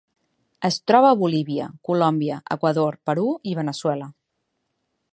Es troba a Bolívia, Colòmbia, Equador, Perú i Veneçuela.